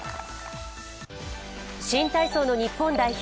新体操の日本代表